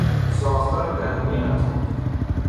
ساختار درونی اتم